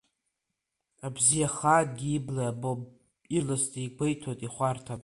Абзиа хаангьы ибла иабом, ирласны игәеиҭоит ихәарҭам.